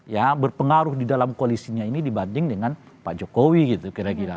ya berpengaruh di dalam koalisinya ini dibanding dengan pak jokowi gitu kira kira